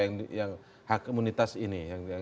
yang hak imunitas ini